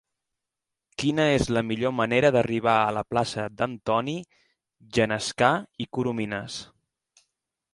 Quina és la millor manera d'arribar a la plaça d'Antoni Genescà i Corominas?